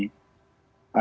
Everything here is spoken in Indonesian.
ada yang mengendalikan